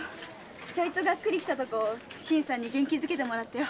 ちょいとガックリきたとこ新さんに元気づけてもらってよ。